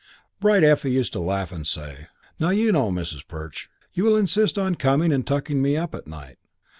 Bright Effie used to laugh and say, "Now, you know, Mrs. Perch, you will insist on coming and tucking me up at night.